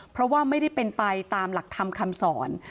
เพราะว่าไม่ได้เป็นไปตามหลักธรรมคำสอน